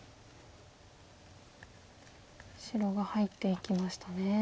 白が入っていきましたね。